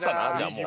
もう。